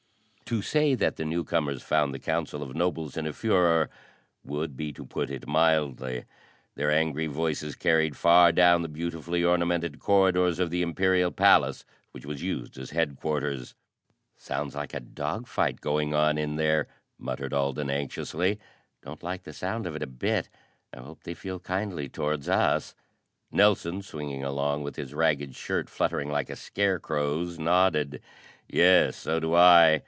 To say that the newcomers found the council of nobles in a furore would be to put it mildly. Their angry voices carried far down the beautifully ornamented corridors of the Imperial Palace, which was used as headquarters. "Sounds like a dog fight going on in there," muttered Alden anxiously. "Don't like the sound of it a bit. I hope they feel kindly towards us." Nelson, swinging along with his ragged shirt fluttering like a scarecrow's, nodded. "Yes, so do I.